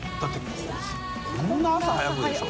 こんな朝早くでしょ？